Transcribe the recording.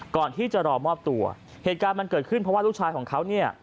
ก่อนที่จะรอมอบตัวเหตุการณ์มันเกิดขึ้นเพราะว่าลูกชายของเขาเนี่ย